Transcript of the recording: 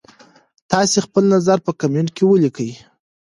تاسي خپل نظر په کمنټ کي ولیکئ.